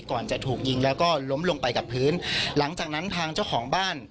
ก่อนจะถูกยิงแล้วก็ล้มลงไปกับพื้นหลังจากนั้นทางเจ้าของบ้าน